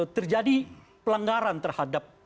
terjadi pelanggaran terhadap